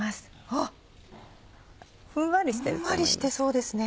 あっふんわりしてそうですね。